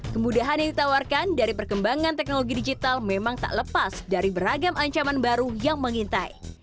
kemudahan yang ditawarkan dari perkembangan teknologi digital memang tak lepas dari beragam ancaman baru yang mengintai